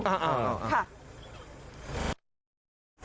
อ้าวค่ะ